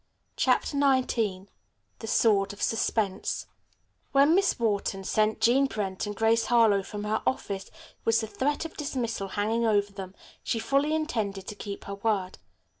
CHAPTER XIX THE SWORD OF SUSPENSE When Miss Wharton sent Jean Brent and Grace Harlowe from her office with the threat of dismissal hanging over them she fully intended to keep her word.